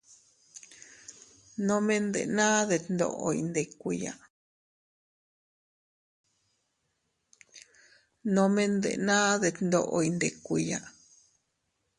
Nome ndenaa detndoʼo iyndikuiya.